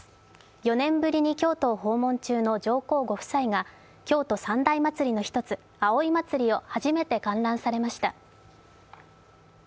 ４年ぶりに京都を訪問中の上皇ご夫妻が京都三大祭りの一つ、葵祭を初めて観覧されました。